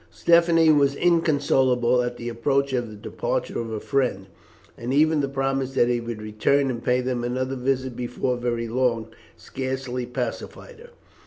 Stephanie was inconsolable at the approaching departure of her friend, and even the promise that he would return and pay them another visit before very long, scarcely pacified her.